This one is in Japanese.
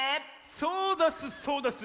そうだっすそうだっす。